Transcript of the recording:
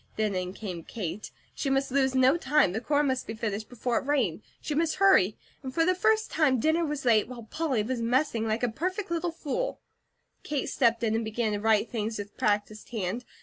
Then in came Kate. She must lose no time, the corn must be finished before it rained. She must hurry for the first time dinner was late, while Polly was messing like a perfect little fool. Kate stepped in and began to right things with practised hand.